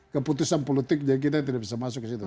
keputusan politik jadi kita tidak bisa masuk ke situ